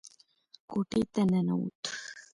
کوټې ته ننوت.